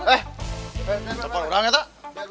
eh cepat udang ya tak